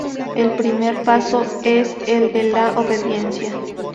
El primer paso es el de la obediencia.